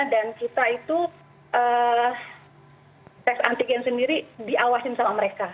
kita itu tes antigen sendiri diawasin sama mereka